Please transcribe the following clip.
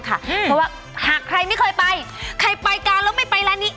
เพราะว่าหากใครไม่เคยไปใครไปกันแล้วไม่ไปร้านนี้